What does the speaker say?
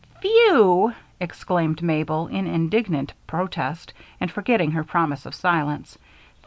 "Few!" exclaimed Mabel, in indignant protest and forgetting her promise of silence.